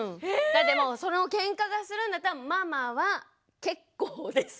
だってもうそのケンカするんだったら「ママは結構です」